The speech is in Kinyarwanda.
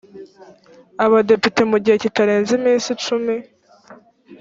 abadepite mu gihe kitarenze iminsi cumi